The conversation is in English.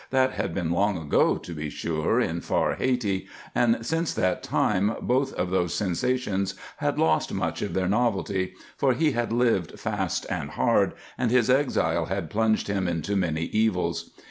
That had been long ago, to be sure, in far Hayti, and since that time both of those sensations had lost much of their novelty, for he had lived fast and hard, and his exile had plunged him into many evils.